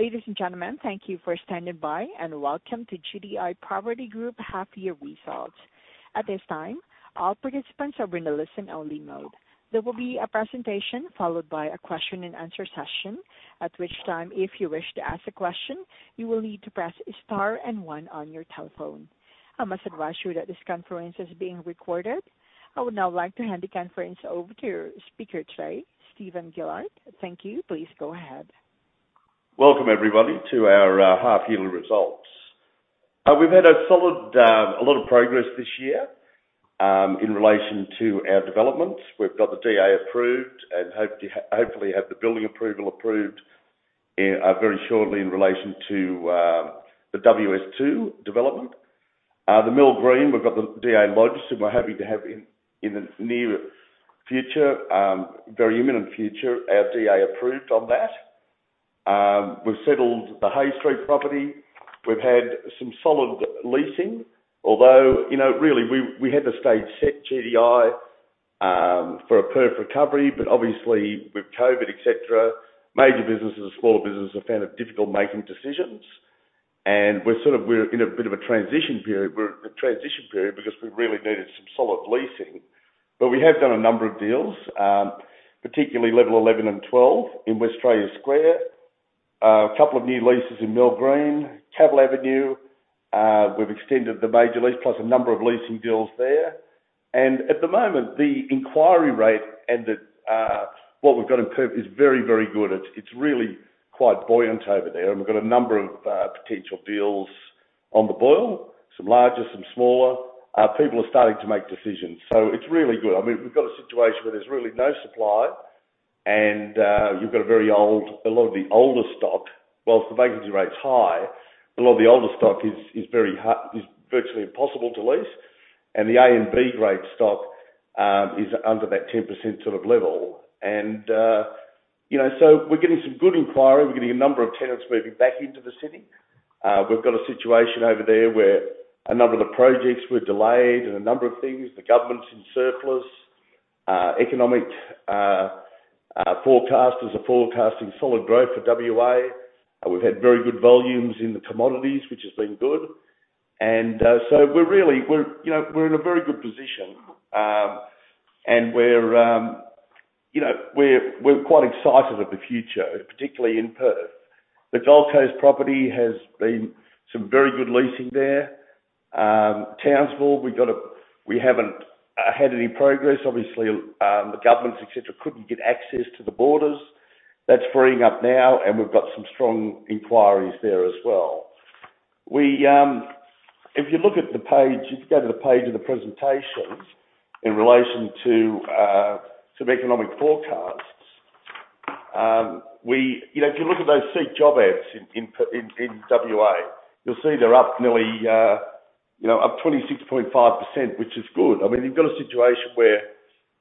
Ladies and gentlemen, thank you for standing by and welcome to GDI Property Group half year results. I would now like to hand the conference over to your speaker today, Steven Gillard. Thank you. Please go ahead. Welcome everybody to our half yearly results. We've had a lot of progress this year, in relation to our developments. We've got the DA approved and hope to hopefully have the building approval approved very shortly in relation to the WS2 development. The Mill Green, we've got the DA lodged, and we're happy to have in the very imminent future our DA approved on that. We've settled the Hay Street property. We've had some solid leasing. Although, really we had the stage set GDI, for a Perth recovery, but obviously with COVID, et cetera, major businesses and small businesses have found it difficult making decisions. We're in a bit of a transition period because we really needed some solid leasing. We have done a number of deals, particularly level 11 and 12 in Westralia Square. A couple of new leases in Mill Green. Cavill Avenue, we've extended the major lease plus a number of leasing deals there. At the moment, the inquiry rate and what we've got in Perth is very, very good. It's really quite buoyant over there, and we've got a number of potential deals on the boil, some larger, some smaller. People are starting to make decisions, so it's really good. We've got a situation where there's really no supply and you've got a lot of the older stock, whilst the vacancy rate's high, a lot of the older stock is virtually impossible to lease. The A and B grade stock, is under that 10% sort of level. We're getting some good inquiry. We're getting a number of tenants moving back into the city. We've got a situation over there where a number of the projects were delayed and a number of things, the government's in surplus. Economic forecasters are forecasting solid growth for WA. We've had very good volumes in the commodities, which has been good. We're in a very good position. We're quite excited of the future, particularly in Perth. The Gold Coast property has been some very good leasing there. Townsville, we haven't had any progress. Obviously, the governments, et cetera, couldn't get access to the borders. That's freeing up now and we've got some strong inquiries there as well. If you go to the page of the presentations in relation to some economic forecasts. If you look at those SEEK job ads in WA, you'll see they're up 26.5%, which is good. You've got a situation where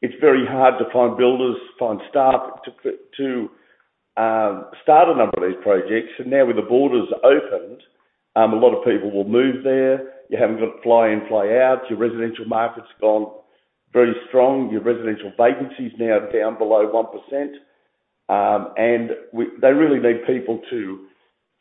it's very hard to find builders, find staff to start a number of these projects. Now with the borders opened, a lot of people will move there. You haven't got fly-in fly-out. Your residential market's gone very strong. Your residential vacancy is now down below 1%. They really need people to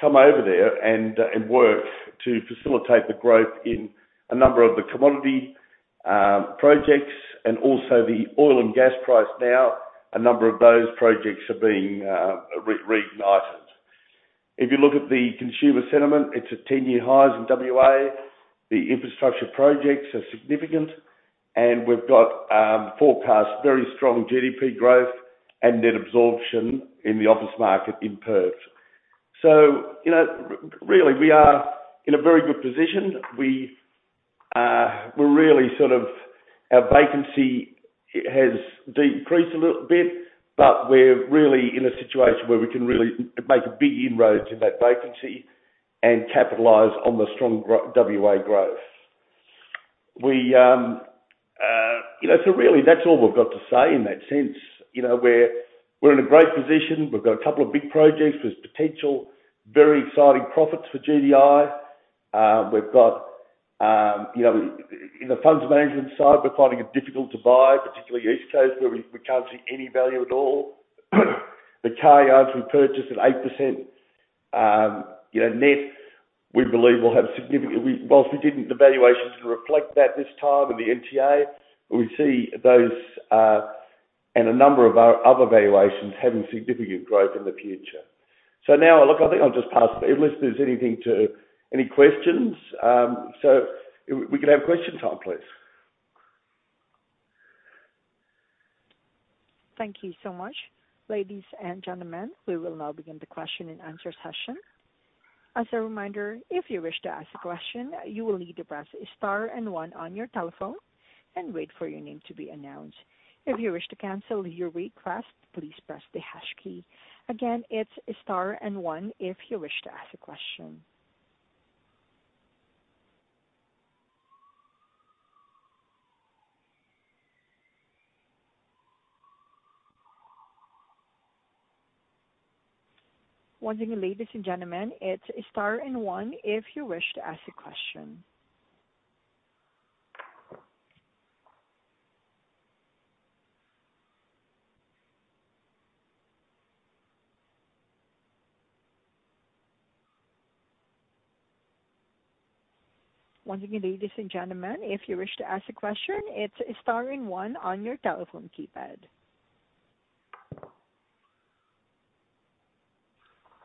come over there and work to facilitate the growth in a number of the commodity projects and also the oil and gas price now, a number of those projects are being reignited. If you look at the consumer sentiment, it's at 10-year highs in W.A. The infrastructure projects are significant, and we've got forecast very strong GDP growth and net absorption in the office market in Perth. Really, we are in a very good position. Our vacancy has decreased a little bit, we're really in a situation where we can really make a big inroad to that vacancy and capitalize on the strong WA growth. Really, that's all we've got to say in that sense. We're in a great position. We've got a couple of big projects. There's potential, very exciting profits for GDI. In the funds management side, we're finding it difficult to buy, particularly East Coast, where we can't see any value at all. The car yards we purchased at 8% net, whilst we didn't, the valuations reflect that this time in the NTA, but we see those, and a number of our other valuations having significant growth in the future. Now look, I think I'll just pass, unless there's any questions. If we could have question time, please. Thank you so much. Ladies and gentlemen, we will now begin the question and answer session. As a reminder, if you wish to ask a question, you will need to press Star and One on your telephone and wait for your name to be announced. If you wish to cancel your request, please press the Hash key. Again, it's Star and One if you wish to ask a question. One thing, ladies and gentlemen, it's Star and One if you wish to ask a question. Once again, ladies and gentlemen, if you wish to ask a question, it's Star and One on your telephone keypad.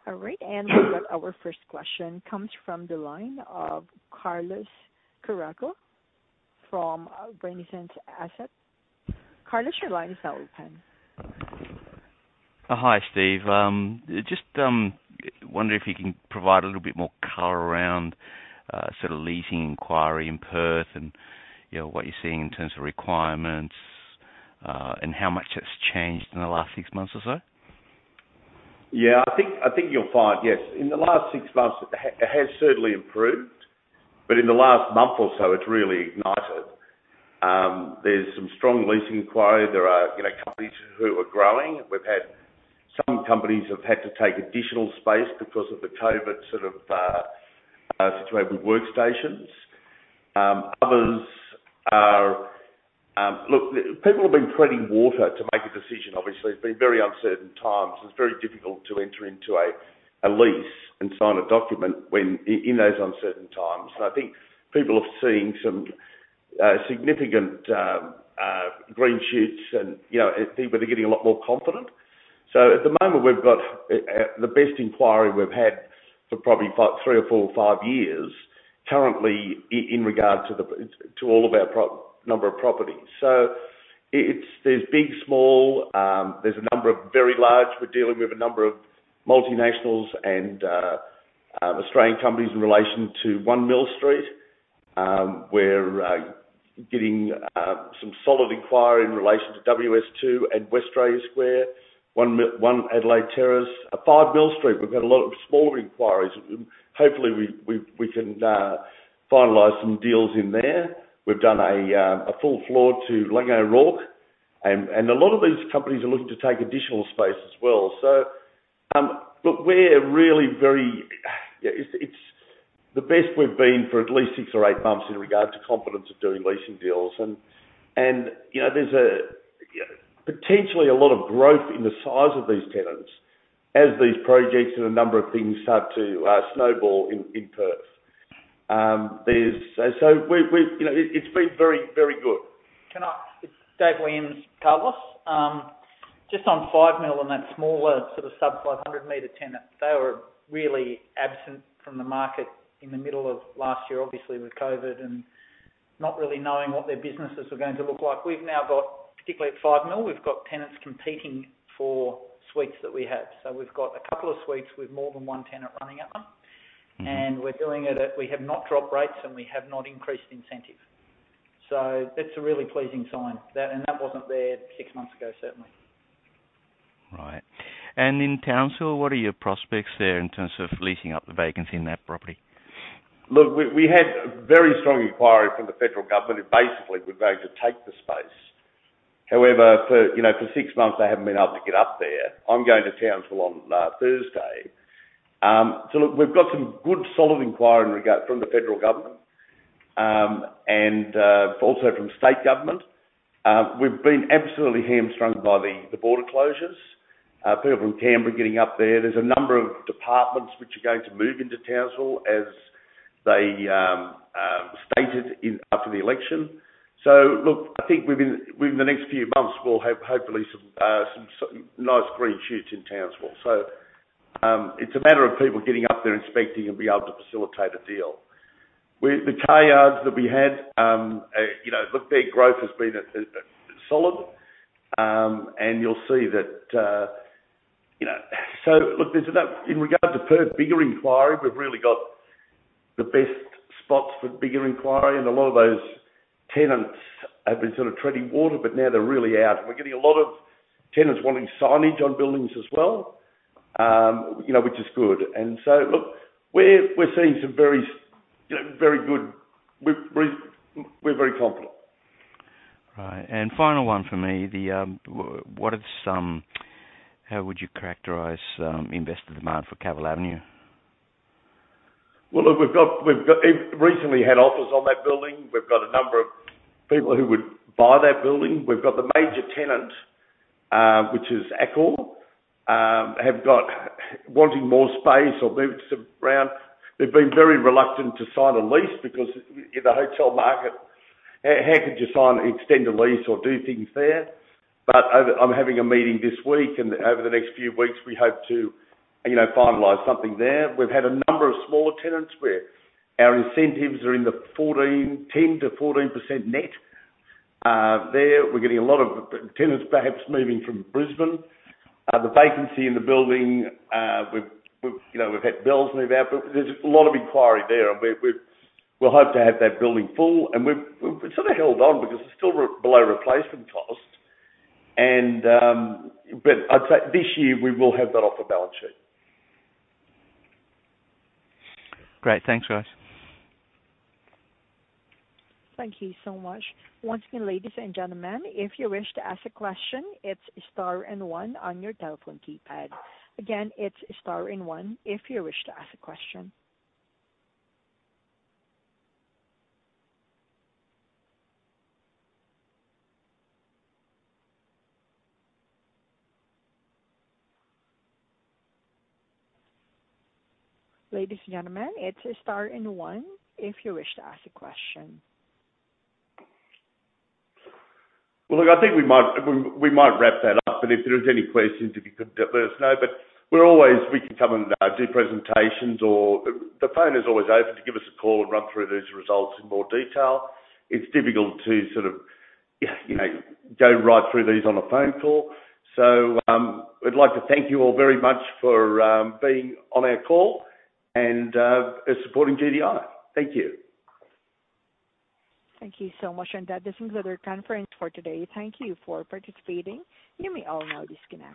All right. We've got our first question comes from the line of Carlos Cocaro from Renaissance Asset. Carlos, your line is now open. Hi, Steve. Just wonder if you can provide a little bit more color around, sort of leasing inquiry in Perth and what you're seeing in terms of requirements, and how much that's changed in the last six months or so? Yeah, I think you'll find, yes. In the last six months, it has certainly improved, but in the last month or so, it's really ignited. There's some strong leasing inquiry. There are companies who are growing. We've had some companies have had to take additional space because of the COVID sort of, situation with workstations. Look, people have been treading water to make a decision, obviously. It's been very uncertain times. It's very difficult to enter into a lease and sign a document in those uncertain times. I think people are seeing some significant green shoots and, people are getting a lot more confident. At the moment, we've got the best inquiry we've had for probably three or four or five years currently in regard to all of our number of properties. There's big, small, there's a number of very large. We're dealing with a number of multinationals and Australian companies in relation to One Mill Street. We're getting some solid inquiry in relation to WS2 and Westralia Square, One Adelaide Terrace. At Five Mill Street, we've had a lot of smaller inquiries. Hopefully, we can finalize some deals in there. We've done a full floor to Lungo Rock, and a lot of these companies are looking to take additional space as well. Look, it's the best we've been for at least six or eight months in regard to confidence of doing leasing deals. There's potentially a lot of growth in the size of these tenants as these projects and a number of things start to snowball in Perth. It's been very, very good. It's David Williams, Carlos. Just on Five Mill and that smaller sort of sub 500 meter tenant, they were really absent from the market in the middle of last year, obviously with COVID and not really knowing what their businesses were going to look like. We've now got, particularly at Five Mill, we've got tenants competing for suites that we have. We've got a couple of suites with more than one tenant running at them. We're doing it, we have not dropped rates, and we have not increased incentive. That's a really pleasing sign. That wasn't there six months ago, certainly. Right. In Townsville, what are your prospects there in terms of leasing up the vacancy in that property? Look, we had very strong inquiry from the federal government who basically were going to take the space. However, for six months, they haven't been able to get up there. I'm going to Townsville on Thursday. Look, we've got some good, solid inquiry from the federal government, and also from state government. We've been absolutely hamstrung by the border closures. People from Canberra getting up there. There's a number of departments which are going to move into Townsville as they stated after the election. Look, I think within the next few months, we'll have hopefully some nice green shoots in Townsville. It's a matter of people getting up there, inspecting, and being able to facilitate a deal. The car yards that we had, their growth has been solid. Look, in regards to Perth, bigger inquiry, we've really got the best spots for bigger inquiry, and a lot of those tenants have been sort of treading water, but now they're really out. We're getting a lot of tenants wanting signage on buildings as well, which is good. Look, we're very confident. Right. Final one from me. How would you characterize investor demand for Cavill Avenue? Well, look, we've recently had offers on that building. We've got a number of people who would buy that building. We've got the major tenant, which is Accor, have got wanting more space or move some around. They've been very reluctant to sign a lease because the hotel market, how could you sign, extend a lease or do things there? I'm having a meeting this week, and over the next few weeks, we hope to finalize something there. We've had a number of smaller tenants where our incentives are in the 10%-14% net. There, we're getting a lot of tenants perhaps moving from Brisbane. The vacancy in the building, we've had Bells move out, but there's a lot of inquiry there. We'll hope to have that building full. We've sort of held on because it's still below replacement cost. I'd say this year, we will have that off the balance sheet. Great. Thanks, guys. Thank you so much. Once again, ladies and gentlemen, if you wish to ask a question, it's star and one on your telephone keypad. Again, it's star and one if you wish to ask a question. Ladies and gentlemen, it's star and one if you wish to ask a question. Well, look, I think we might wrap that up, but if there's any questions, if you could let us know. We can come and do presentations or the phone is always open to give us a call and run through these results in more detail. It's difficult to sort of go right through these on a phone call. We'd like to thank you all very much for being on our call and supporting GDI. Thank you. Thank you so much. That this concludes our conference for today. Thank you for participating. You may all now disconnect.